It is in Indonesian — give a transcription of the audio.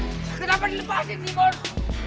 kenapa dilepasin sih mon